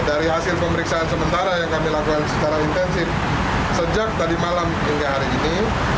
dari hasil pemeriksaan sementara yang kami lakukan secara intensif sejak tadi malam hingga hari ini